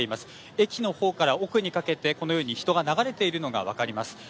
駅の方から奥にかけてこのように人が流れているのが分かります。